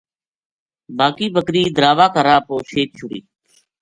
باقی بکری دراوا کا راہ پو شیک چھُڑی